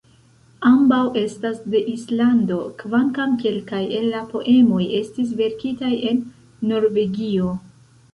Ambaŭ estas de Islando, kvankam kelkaj el la poemoj estis verkitaj en Norvegio.